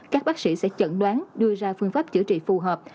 các bác sĩ sẽ chẩn đoán đưa ra phương pháp chữa trị phù hợp